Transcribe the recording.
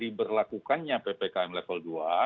diberlakukannya ppkm level dua